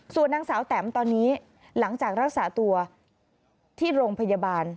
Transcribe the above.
ส่วนนางสาวแตมตอนนี้หลังจากรักษาตัวที่โรงพยาบาล